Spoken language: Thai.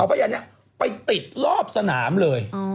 เอาพระยันตร์นี่ไปติดรอบสนามเลย